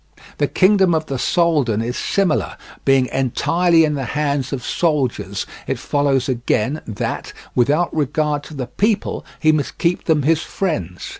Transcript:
The kingdom of the Soldan is similar; being entirely in the hands of soldiers, it follows again that, without regard to the people, he must keep them his friends.